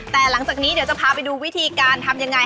แต่หลังจากนี้เดี๋ยวจะพาไปดูวิธีการทำยังไง